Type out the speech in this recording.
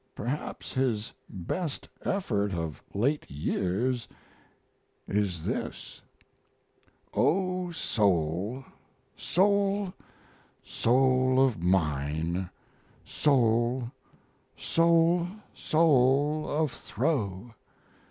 Perhaps his best effort of late years is this: O soul, soul, soul of mine! Soul, soul, soul of throe!